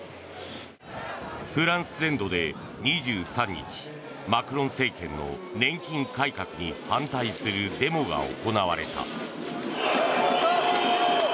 フランス全土で２３日マクロン政権の年金改革に反対するデモが行われた。